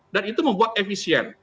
dan itu membuat efisien